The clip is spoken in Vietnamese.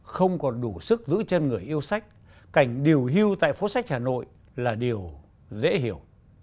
không còn đủ sức giữ chân người yêu sách cảnh điều hưu tại phố sách hà nội là điều dễ hiểu